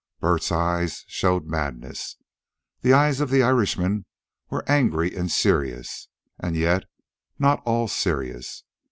Bert's eyes showed madness. The eyes of the Irishmen were angry and serious, and yet not all serious.